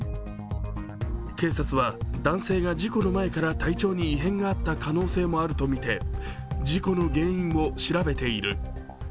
警察は男性が事故の前から体調に異変があった可能性もあるとみて事故の原因を調べている。